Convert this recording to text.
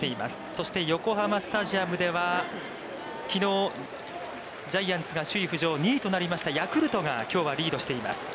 そして横浜スタジアムでは、きのうジャイアンツが首位浮上２位となりましたヤクルトがきょうはリードしています。